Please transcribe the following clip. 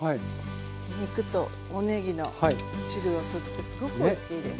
肉とおねぎの汁を吸ってすごくおいしいです。